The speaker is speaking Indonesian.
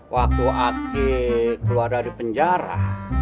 waktu ati keluar dari penjara